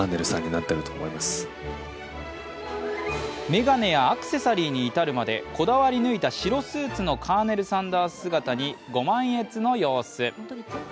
眼鏡やアクセサリーに至るまでこだわり抜いた白スーツのカーネル・サンダース姿に御満悦の様子。